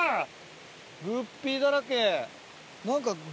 グッピーだらけ。